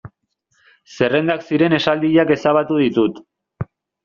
Zerrendak ziren esaldiak ezabatu ditut.